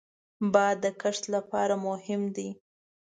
باد د کښت لپاره مهم دی